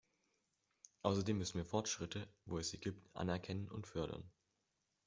Außerdem müssen wir Fortschritte, wo es sie gibt, anerkennen und fördern.